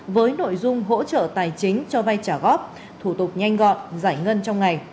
với nội dung hỗ trợ tài chính cho vay trả góp thủ tục nhanh gọn giải ngân trong ngày